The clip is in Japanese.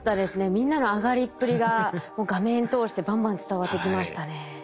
みんなの上がりっぷりがもう画面通してバンバン伝わってきましたね。